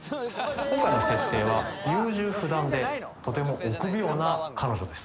今回の設定は優柔不断でとても臆病な彼女です